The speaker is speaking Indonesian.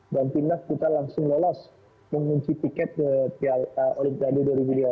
dan timnas kita langsung lolos mengunci tiket ke olimpiade dua ribu dua puluh empat